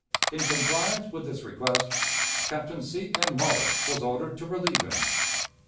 In compliance with this request, Captain C. M. Morris was ordered to relieve him.